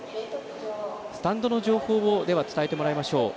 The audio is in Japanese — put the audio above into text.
スタンドの情報を伝えてもらいましょう。